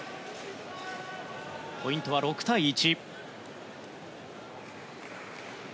ポイントは６対１。